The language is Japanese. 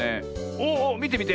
おっおっみてみて。